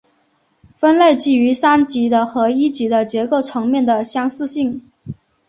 分类基于三级的和一级的结构层面的相似性。